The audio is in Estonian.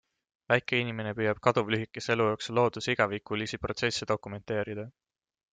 Väike inimene püüab kaduvlühikese elu jooksul looduse igavikulisi protsesse dokumenteerida.